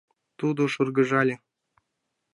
Тудо шыргыжале.